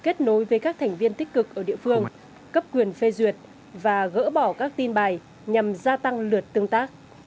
kết nối với các thành viên tích cực ở địa phương cấp quyền phê duyệt và gỡ bỏ các tin bài nhằm gia tăng lượt tương tác